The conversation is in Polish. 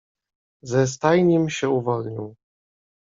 "Ze stajnim się uwolnił."